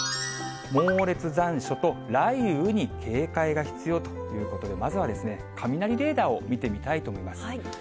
猛烈残暑と雷雨に警戒が必要ということで、まずは雷レーダーを見てみたいと思います。